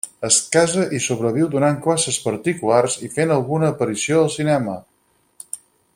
Es casa i sobreviu donant classes particulars i fent alguna aparició al cinema.